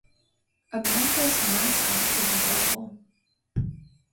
America's mascot is a devil.